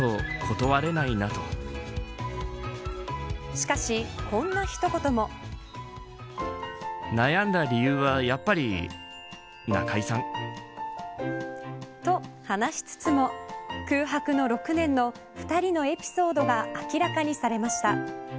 しかし、こんな一言も。と話しつつも空白の６年の２人のエピソードが明らかにされました。